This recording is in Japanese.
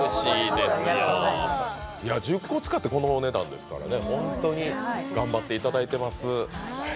１０個使ってこのお値段ですから本当に頑張っていただいています。